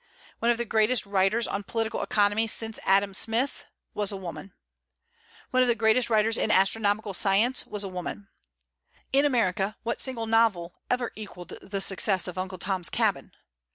One of the greatest writers on political economy, since Adam Smith, was a woman. One of the greatest writers in astronomical science was a woman. In America, what single novel ever equalled the success of "Uncle Tom's Cabin"?